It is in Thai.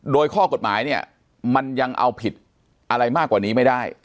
โดยข้อกฎหมายเนี่ยมันยังเอาผิดอะไรมากกว่านี้ไม่ได้